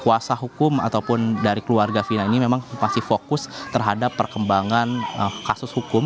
kuasa hukum ataupun dari keluarga fina ini memang masih fokus terhadap perkembangan kasus hukum